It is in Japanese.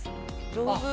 上手。